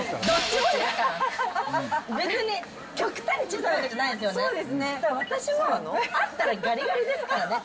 どっちもですから。